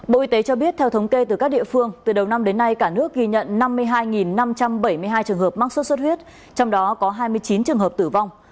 bộ y tế cho biết theo thống kê từ các địa phương từ đầu năm đến nay cả nước ghi nhận năm mươi hai năm trăm bảy mươi hai trường hợp mắc sốt xuất huyết trong đó có hai mươi chín trường hợp tử vong